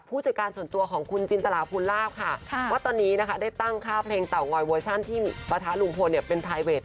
บางทีมันก็แรง